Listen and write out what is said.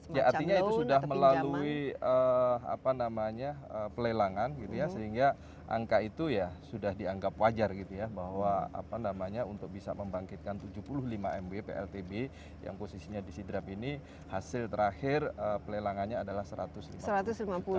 ya artinya itu sudah melalui apa namanya pelelangan gitu ya sehingga angka itu ya sudah dianggap wajar gitu ya bahwa apa namanya untuk bisa membangkitkan tujuh puluh lima mw pltb yang posisinya di sidrap ini hasil terakhir pelelangannya adalah satu ratus lima puluh